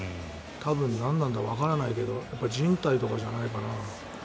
多分、なんだろうわからないけどじん帯とかじゃないかな。